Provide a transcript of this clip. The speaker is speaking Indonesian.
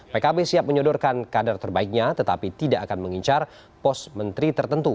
pkb siap menyodorkan kader terbaiknya tetapi tidak akan mengincar pos menteri tertentu